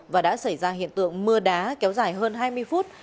và đã xảy ra hiện tượng mưa đá kéo dài hơn hai mươi phút